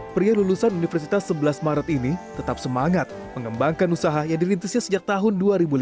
pria lulusan universitas sebelas maret ini tetap semangat mengembangkan usaha yang dirintisnya sejak tahun dua ribu lima belas